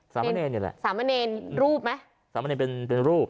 สามเณรอยู่ไล้สามเณรรูปมั้ยสามเณรเป็นเป็นรูป